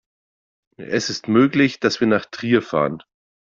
Es ist möglich, dass wir nach Trier fahren